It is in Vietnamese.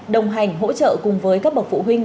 đồng hành hỗ trợ cùng với các bậc phụ huynh